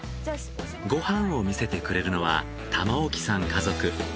ご飯を見せてくれるのは玉置さん家族。